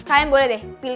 kalian boleh deh